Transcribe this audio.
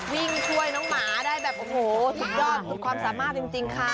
วิ่งช่วยน้องหมาได้แบบโอ้โหสุดยอดสุดความสามารถจริงค่ะ